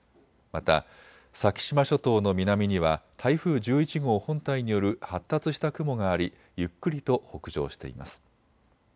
また先島諸島の南には台風１１号本体による発達した雲がありゆっくりと北上しています。